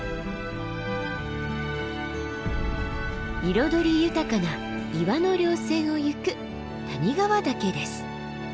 彩り豊かな岩の稜線を行く谷川岳です。